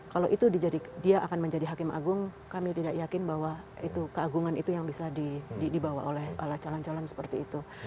kalau itu dia akan menjadi hakim agung kami tidak yakin bahwa keagungan itu yang bisa dibawa oleh calon calon seperti itu